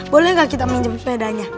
boleh nggak kita minjem sepedanya